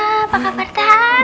apa kabar tan